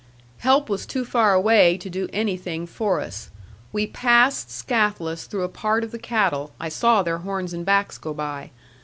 Help was too far away to do anything for us. We passed scatheless through a part of the cattle, I saw their horns and backs go by.